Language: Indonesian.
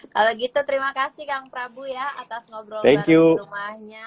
kalau gitu terima kasih kang prabu ya atas ngobrol bareng rumahnya